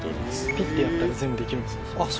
ピッてやったら全部できるんですよあっ